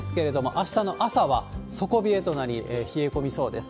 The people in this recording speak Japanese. あしたの朝は底冷えとなり、冷え込みそうです。